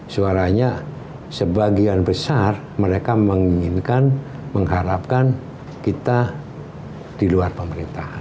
suaranya sebagian besar mereka menginginkan mengharapkan kita di luar pemerintahan